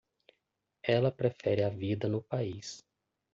Ela prefere a vida no país.